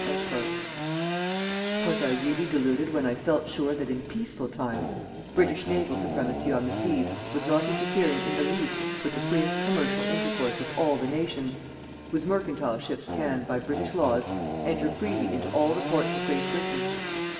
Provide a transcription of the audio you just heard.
_" Was I really deluded when I felt sure that in peaceful times, British naval supremacy on the seas was not interfering in the least with the freest commercial intercourse of all the nations, whose mercantile ships can, by British laws, enter freely into all the ports of Great Britain?